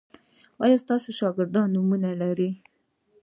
ایا ستاسو شاګردان نوم لری؟